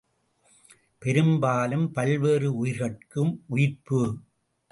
பெரும்பாலும் பல்வேறு உயிர்கட்கும் உயிர்ப்பு.